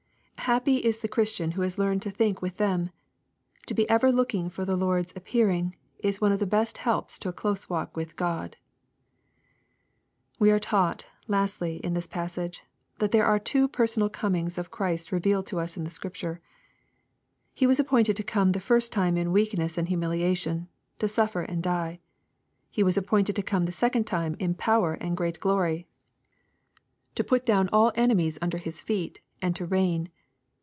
Happy is the Christian who has learned to think with them 1 To be ever looking for the Lord's ap pearing is one of the best helps to a close walk with God. We are taught, lastly, in this passage, that there are two personal comings of Christ revealed to us in Scripture, He was a]>pointed to come the first time in weakness and humiliation, to suiTer and to die. He was appointed lo come the second time in power and great glo^v, to put 240 EXPOSITORY THOUGHTS. down all enemies under His feet, and to reign.